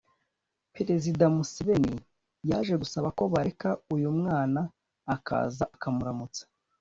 Perezida Museveni yaje gusaba ko bareka uyu mwana akaza akamuramutsa